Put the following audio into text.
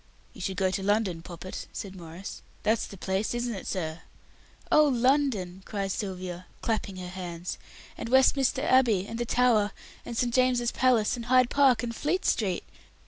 "You should go to London, Poppet," said Maurice, "that's the place. Isn't it, sir?" "Oh, London!" cries Sylvia, clapping her hands. "And Westminster Abbey, and the Tower, and St. James's Palace, and Hyde Park, and Fleet street!